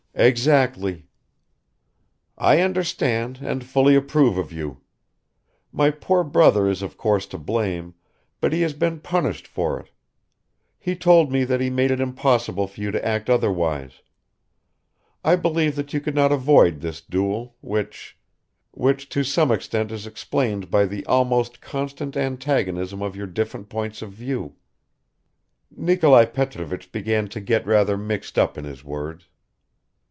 "Exactly." "I understand and fully approve of you. My poor brother is of course to blame; but he has been punished for it. He told me that he made it impossible for you to act otherwise. I believe that you could not avoid this duel, which ... which to some extent is explained by the almost constant antagonism of your different points of view." (Nikolai Petrovich began to get rather mixed up in his words.)